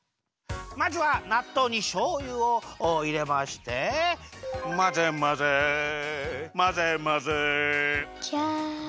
まずはなっとうにしょうゆをいれまして「まぜまぜまぜまぜ」じゃ。